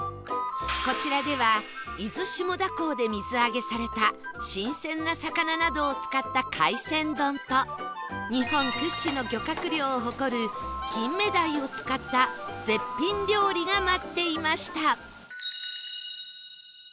こちらでは伊豆下田港で水揚げされた新鮮な魚などを使った海鮮丼と日本屈指の漁獲量を誇る金目鯛を使った絶品料理が待っていました